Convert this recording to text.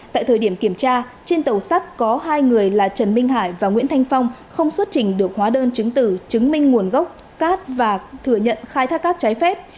tại thời điểm kiểm tra trên tàu sắt có hai người là trần minh hải và nguyễn thanh phong không xuất trình được hóa đơn chứng tử chứng minh nguồn gốc cát và thừa nhận khai thác cát trái phép